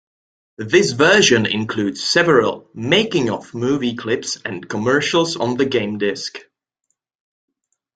This version includes several "Making of" movie clips and commercials on the game disc.